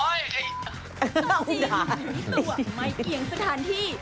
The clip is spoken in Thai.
ต้องจีนหนูตัวไม่เอียงสถานที่